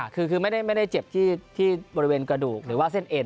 คือไม่ได้เจ็บที่บริเวณกระดูกหรือว่าเส้นเอ็